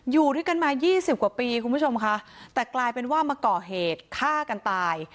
อยู่ด้วยกันมายี่สิบกว่าปีคุณผู้ชมค่ะแต่กลายเป็นว่ามาก่อเหตุฆ่ากันตาย